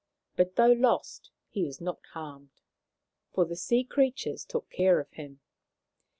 But though lost, he was not harmed, for the sea creatures took care of him.